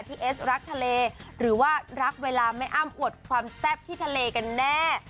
เอสรักทะเลหรือว่ารักเวลาแม่อ้ำอวดความแซ่บที่ทะเลกันแน่